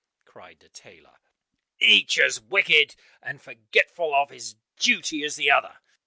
cried the tailor, "each as wicked and forgetful of his duty as the other!